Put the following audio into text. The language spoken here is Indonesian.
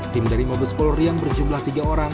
tim dari mabes polri yang berjumlah tiga orang